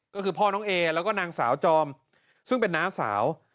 ก็คือพ่อน้องเอแล้วก็นางสาวจอมซึ่งเป็นน้าสาว